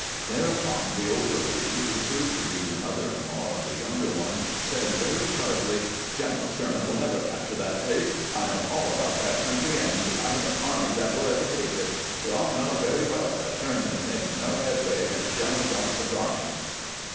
Thereupon the older lady, who proved to be the mother in law of the younger one, said very sharply: "General Sherman will never capture that place. I know aU about that country, and you have n't an army that wUl ever take it. We all know very well that Sherman is making no headway against General Johnston's army."